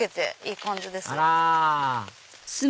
いい感じですよ。